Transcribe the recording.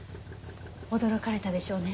驚かれたでしょうね。